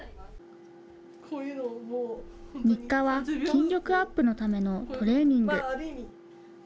日課は筋力アップのためのトレーニング。